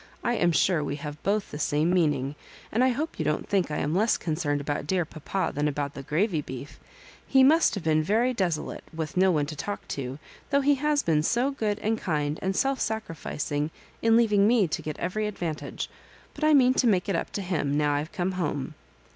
I am sure we have both the same meaning ; and I hope you don't think I am less concerned about dear papa than about the gravy beef He must have been very deso late, with no one to talk to, though he has been 80 good and kmd and self sacrificmg in leaving me to get every advantage ; but I mean to make it up to him, now I've come home."